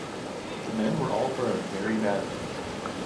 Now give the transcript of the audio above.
The men were all burned very badly.